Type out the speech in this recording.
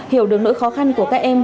hiểu được nỗi khó khăn của các em